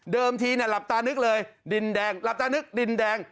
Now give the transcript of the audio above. ทีหลับตานึกเลยดินแดงหลับตานึกดินแดง